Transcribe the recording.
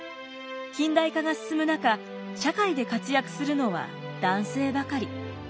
近代化が進む中社会で活躍するのは男性ばかり。